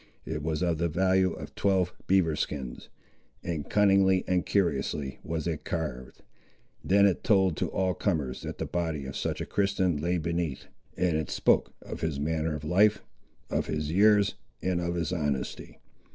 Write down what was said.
It was of the value of twelve beaver skins, and cunningly and curiously was it carved! Then it told to all comers that the body of such a Christian lay beneath; and it spoke of his manner of life, of his years, and of his honesty.